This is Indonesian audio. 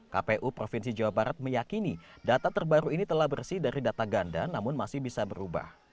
kpu provinsi jawa barat meyakini data terbaru ini telah bersih dari data ganda namun masih bisa berubah